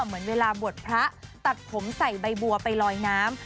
เหมือนเวลาบวชพระตัดผมใส่ใบบัวไปลอยน้ำ